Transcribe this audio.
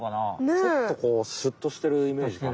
ちょっとこうシュッとしてるイメージかな？